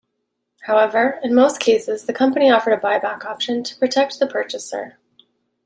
However, in most cases the company offered a buy-back option to protect the purchaser.